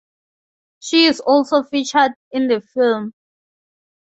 She is also featured in the film.